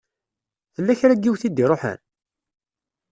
Tella kra n yiwet i d-iṛuḥen?